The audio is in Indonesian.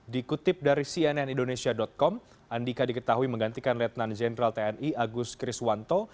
dikutip dari cnn indonesia com andika diketahui menggantikan letnan jenderal tni agus kriswanto